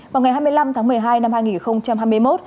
vào ngày hai mươi năm tháng một mươi hai năm hai nghìn hai mươi một